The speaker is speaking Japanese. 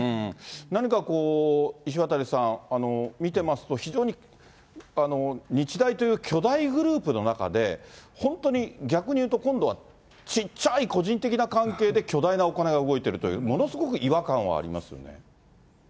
何かこう、石渡さん、見てますと見てますと非常に日大という巨大グループの中で、本当に逆にいうと今度はちっちゃい個人的な関係で巨大なお金が動いてるという、ものすごく違和感はありますよね。